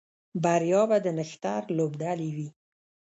بریا به د نښتر لوبډلې وي